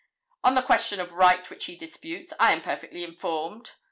On the question of right which he disputes, I am perfectly informed.